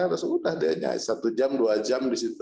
terus sudah dia nyai satu jam dua jam di situ